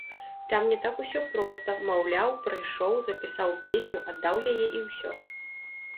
Там не так усё проста, маўляў, прыйшоў, запісаў песню, аддаў яе і ўсё.